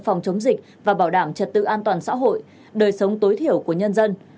phòng chống dịch và bảo đảm trật tự an toàn xã hội đời sống tối thiểu của nhân dân